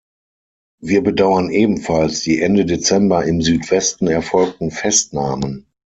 Wir bedauern ebenfalls die Ende Dezember im Südwesten erfolgten Festnahmen.